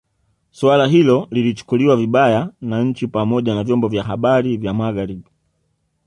Suala hilo lilichukuliwa vibaya na nchi pamoja na vyombo vya habari vya Magharibi